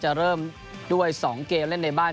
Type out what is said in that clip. จะเริ่มด้วย๒เกมเล่นในบ้าน